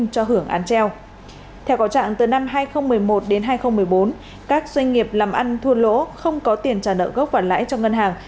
theo cáo trạng từ năm hai nghìn một mươi một đến hai nghìn một mươi bốn các doanh nghiệp làm ăn thua lỗ không có tiền trả nợ gốc và lãi cho ngân hàng